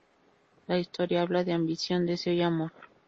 La historia habla de ambición, deseo y amor.